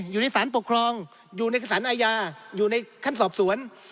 อยู่ในสารปกครองอยู่ในสารอาญาอยู่ในขั้นสอบสวน